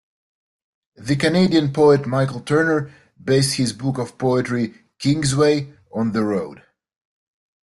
The Canadian poet Michael Turner based his book of poetry, "Kingsway", on the road.